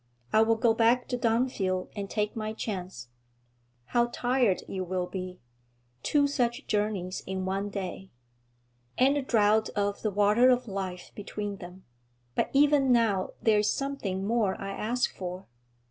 I will go back to Dunfield and take my chance.' 'How tired you will be! Two such journeys in one day.' 'And a draught of the water of life between them. But even now there is something more I ask for.'